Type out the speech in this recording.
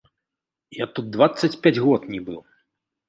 Я тут дваццаць пяць год не быў.